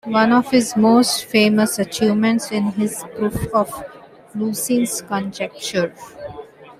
One of his most famous achievements is his proof of Lusin's conjecture.